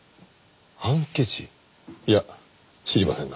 いや知りませんが。